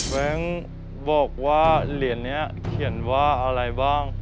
แก๊งบอกว่าเหรียญนี้เขียนว่าอะไรบ้าง